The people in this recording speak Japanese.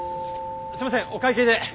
すいませんお会計で！